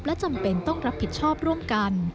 และจำเป็นต้องรับผิดชอบร่วมกัน